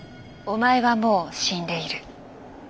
「おまえはもう死んでいる」。